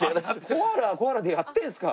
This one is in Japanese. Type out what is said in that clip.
コアラはコアラでやってるんですか。